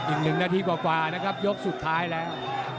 อีก๑นาทีกว่านะครับยกสุดท้ายแล้ว